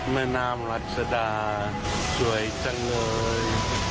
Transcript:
แม่น้ำรัศดาสวยจังเลย